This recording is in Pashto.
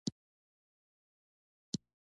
واوره د افغانستان طبعي ثروت دی.